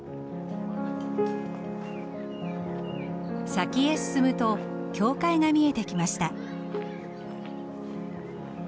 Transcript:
先へ進むと教会が見えてきました。